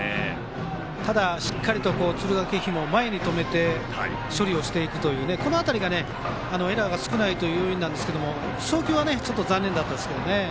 ただ、しっかり敦賀気比も前で止めて処理をしていくという辺りがエラーが少ない要因なんですが送球はちょっと残念でした。